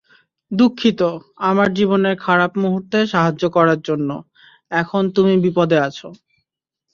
দুঃখিত, আমার জীবনের খারাপ মুহুর্তে সাহায্য করার জন্য, এখন তুমি বিপদে আছ।